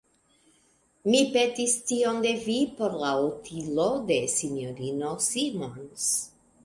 Mi petis tion de vi por la utilo de S-ino Simons.